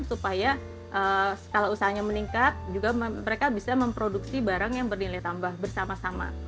supaya skala usahanya meningkat juga mereka bisa memproduksi barang yang bernilai tambah bersama sama